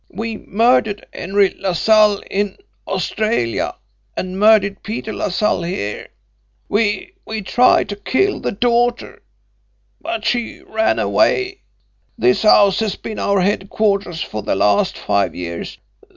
We murdered Henry LaSalle in Australia, and murdered Peter LaSalle here. We we tried to kill the daughter, but she ran away. This house has been our headquarters for the last five years.